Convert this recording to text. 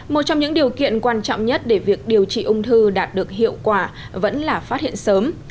một trong những điều kiện quan trọng nhất để việc điều trị ung thư đạt được hiệu quả vẫn là phát hiện sớm